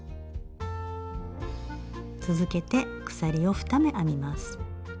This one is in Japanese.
続けて鎖を２目編みます。